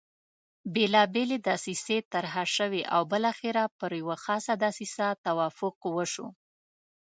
بېلابېلې دسیسې طرح شوې او بالاخره پر یوه خاصه دسیسه توافق وشو.